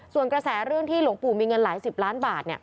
ส่วนกระแสเรื่องที่หลวงปู่มีเงินหลายสิบล้านบาท